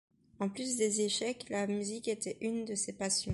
En plus des échecs, la musique était une de ses passions.